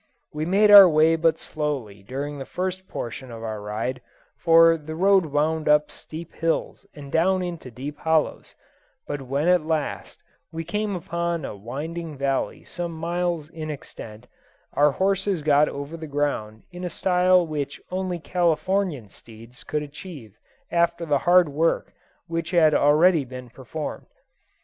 We made our way but slowly during the first portion of our ride, for the road wound up steep hills and down into deep hollows, but when at last we came upon a winding valley some miles in extent, our horses got over the ground in a style which only Californian steeds could achieve after the hard work which had already been performed.